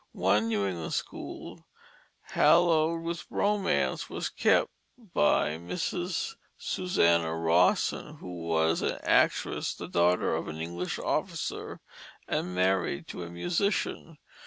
One New England school, haloed with romance, was kept by Mrs. Susanna Rawson, who was an actress, the daughter of an English officer, and married to a musician.